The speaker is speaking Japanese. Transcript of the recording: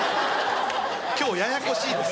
今日ややこしいです。